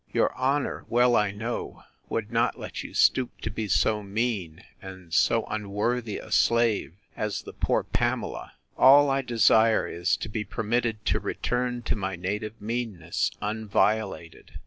Your honour, well I know, would not let you stoop to so mean and so unworthy a slave, as the poor Pamela: All I desire is, to be permitted to return to my native meanness unviolated.